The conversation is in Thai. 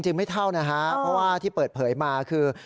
ไม่เท่านะฮะเพราะว่าที่เปิดเผยมาคือ